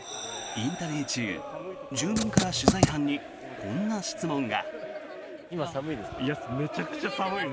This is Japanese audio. インタビュー中住民から取材班にこんな質問が。